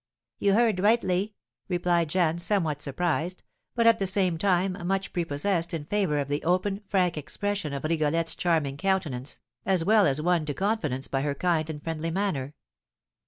"You heard rightly," replied Jeanne, somewhat surprised, but, at the same time, much prepossessed in favour of the open, frank expression of Rigolette's charming countenance, as well as won to confidence by her kind and friendly manner.